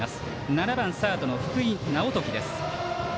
７番サードの福井直睦。